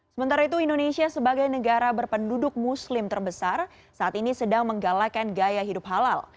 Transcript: sementara itu indonesia sebagai negara berpenduduk muslim terbesar saat ini sedang menggalakan gaya hidup halal